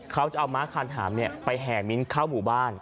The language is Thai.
เขาจะเอาม้าคานหามไปแห่มิ้นเข้าหมู่บ้าน